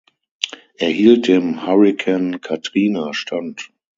Er hielt dem Hurrikan Katrina stand.